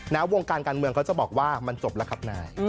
วงการการเมืองเขาจะบอกว่ามันจบแล้วครับนาย